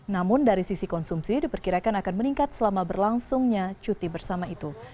namun dari sisi konsumsi diperkirakan akan meningkat selama berlangsungnya cuti bersama itu